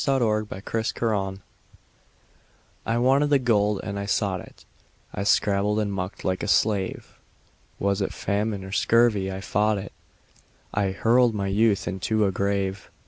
The Spell of the Yukon I wanted the gold, and I sought it, I scrabbled and mucked like a slave. Was it famine or scurvy I fought it; I hurled my youth into a grave.